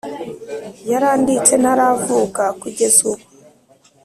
yarandinze ntaravuka kugeza ubu